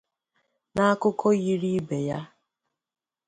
N’akụkọ yiri ibe ya